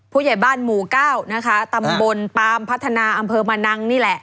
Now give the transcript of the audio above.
ผู้ใหญ่บ้านหมู่เก้านะคะตำบลปามพัฒนาอำเภอมะนังนี่แหละ